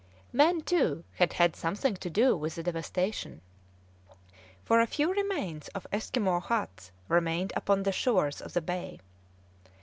Men, too, had had something to do with the devastation, for a few remains of Esquimaux huts remained upon the shores of the Bay.